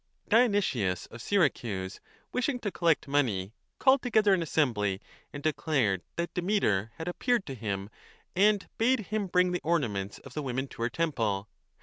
Dionysius of Syracuse, wishing to collect money, called together an assembly and declared that Demeter had 15 appeared to him and bade him bring the ornaments of the women to her temple..